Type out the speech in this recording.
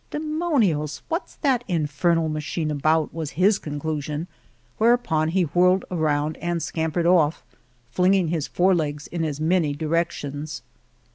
Demonios ! what's that infer nal machine about ?" was his conclusion, whereupon he whirled around and scam pered off, flinging his four legs in as many directions.